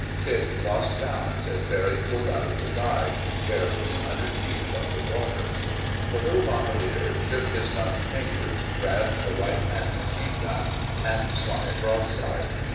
Chick lost balance as Barry pulled out of the dive, barely two hundred feet above the water. The little bombardier shook his numbed fingers, grabbed the right hand machine gun and swung it broadside.